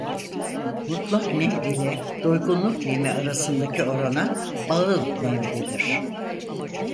Mutlak nem ile doygunluk nemi arasındaki orana "Bağıl nem" denir.